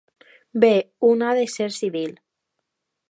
Bé, un ha de ser civil.